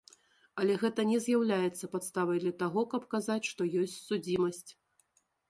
Але гэта не з'яўляецца падставай для таго, каб казаць, што ёсць судзімасць.